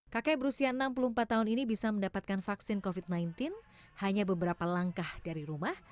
kakek berusia enam puluh empat tahun ini bisa mendapatkan vaksin covid sembilan belas hanya beberapa langkah dari rumah